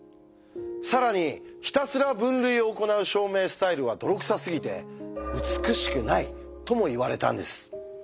更にひたすら分類を行う証明スタイルは泥臭すぎて「美しくない」とも言われたんです。